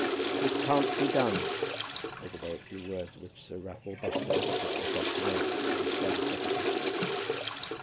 "It can't be done," were the very few words which Sir Raffle Buffle had written across the note from his private secretary.